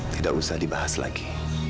tidak usah dibahas lagi